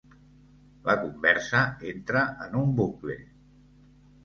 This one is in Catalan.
La conversa entra en un bucle.